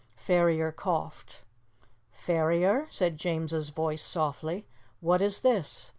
Ferrier coughed. "Ferrier?" said James's voice softly. "What is this?"